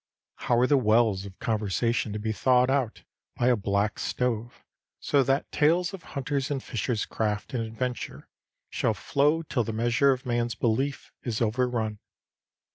How are the wells of conversation to be thawed out by a black stove, so that tales of hunters' and fishers' craft and adventure shall flow till the measure of man's belief is overrun?